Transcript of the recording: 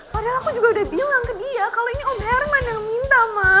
padahal aku juga udah bilang ke dia kalau ini obherman yang minta ma